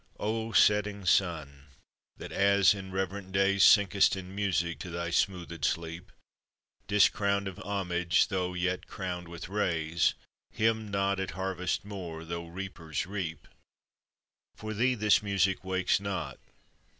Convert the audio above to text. O setting Sun, that as in reverent days Sinkest in music to thy smoothèd sleep, Discrowned of homage, though yet crowned with rays, Hymned not at harvest more, though reapers reap: For thee this music wakes not.